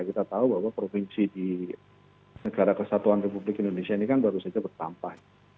kita tahu bahwa provinsi di negara kesatuan republik indonesia ini kan baru saja bertambah